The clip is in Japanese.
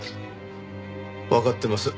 わかってます。